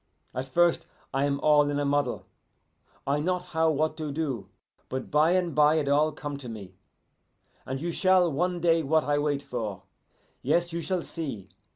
At first I am all in a muddle, I not how what to do; but by and bye it all come to me, and you shall one day what I wait for. Yes, you shall see.